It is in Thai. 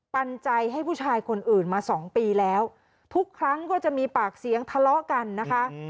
ปันใจให้ผู้ชายคนอื่นมาสองปีแล้วทุกครั้งก็จะมีปากเสียงทะเลาะกันนะคะ